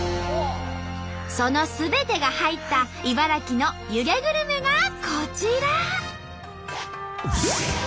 そのすべてが入った茨城の湯気グルメがこちら。